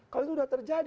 kalau itu sudah terjadi